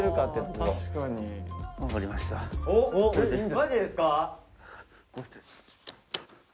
マジですか？